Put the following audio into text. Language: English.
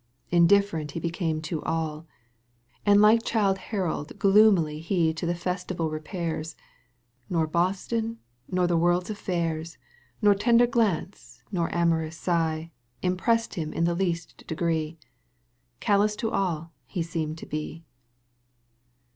Indifferent he became to aU, And like Childe Harold gloomily He to the festival repairs. If or boston nor the world's aflTairs Nor tender glance nor amorous sigh Impressed him in the least degree, ^ Callous to аД he seemed to be.